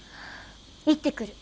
行ってくる。